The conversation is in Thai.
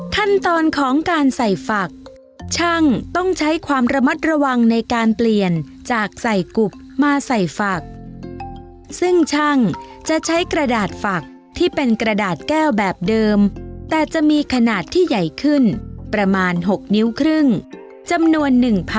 ขั้นตอนของการใส่ฝักช่างต้องใช้ความระมัดระวังในการเปลี่ยนจากใส่กุบมาใส่ฝักซึ่งช่างจะใช้กระดาษฝักที่เป็นกระดาษแก้วแบบเดิมแต่จะมีขนาดที่ใหญ่ขึ้นประมาณ๖นิ้วครึ่งจำนวน๑๐๐๐